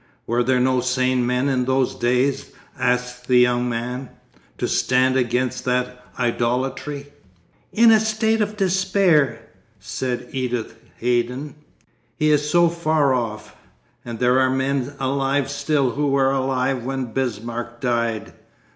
'Were there no sane men in those days,' asked the young man, 'to stand against that idolatry?' 'In a state of despair,' said Edith Haydon. 'He is so far off—and there are men alive still who were alive when Bismarck died!